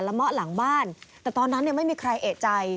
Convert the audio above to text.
เมาะหลังบ้านแต่ตอนนั้นไม่มีใครเอกใจ